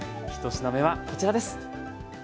１品目はこちらです。